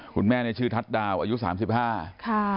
คุณแม่เนี่ยชื่อทัศน์ดาวอายุ๓๕ค่ะ